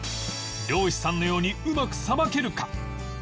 漁師さんのようにうまくさばけるか？